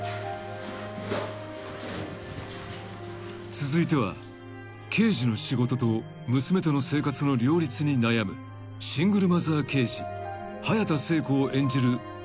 ［続いては刑事の仕事と娘との生活の両立に悩むシングルマザー刑事］